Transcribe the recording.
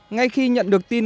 ngay khi nhận được tin